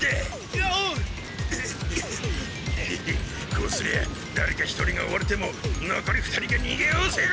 こうすりゃだれか１人が追われてものこり２人がにげおおせる。